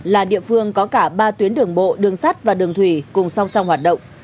là địa phương có cả ba tuyến đường bộ đường sắt và đường thủy cùng song song hoạt động